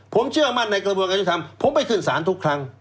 ผมเชื่อมั่นในกระบวนการยุทธรรมผมไปขึ้นศาลทุกครั้ง